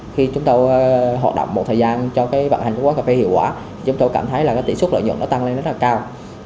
khi chúng tôi hoạt động một thời gian cho bản hành của quán cà phê hiệu quả chúng tôi cảm thấy tỷ suất lợi nhuận tăng lên rất cao